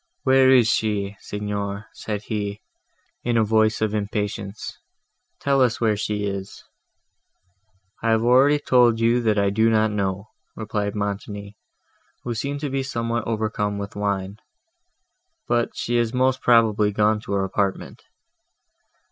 "Where is she? Signor," said he, in a voice of impatience: "tell us where she is." "I have already told you that I do not know," replied Montoni, who seemed to be somewhat overcome with wine; "but she is most probably gone to her apartment."